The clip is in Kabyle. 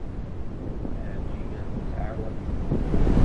Ɛelǧiya tettɛawan igellilen.